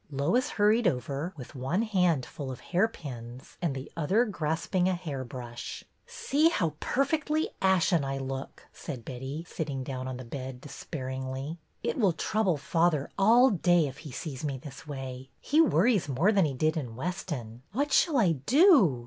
Lois hurried over, with one hand full of hair pins and the other grasping a hair brush. See how perfectly ashen I look,'' said Betty, sitting down on the bed despairingly. It will trouble father all day if he sees me this way. He worries more than he did in Weston. What shall I do?"